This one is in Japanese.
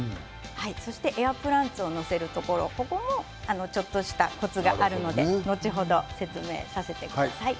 そしてエアプランツを載せるところここもちょっとしたコツがあるので後ほど説明させてください。